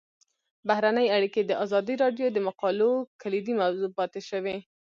بهرنۍ اړیکې د ازادي راډیو د مقالو کلیدي موضوع پاتې شوی.